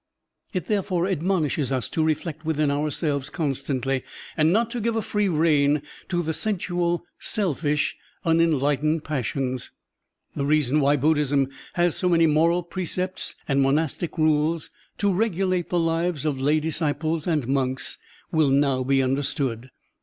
It there fore admonishes us to reflect within ourselves constantly and not to give a free rein to the sensual, selfish, unenlightened passions. The reason why Buddhism has so many moral pre cepts and monastic rules to regulate the lives of lay disciples and monks will now be under stood.